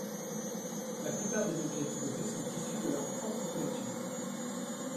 La plupart des objets exposés sont issus de leurs propres collections.